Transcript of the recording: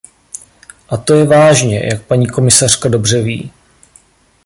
A to je vážně, jak paní komisařka dobře ví.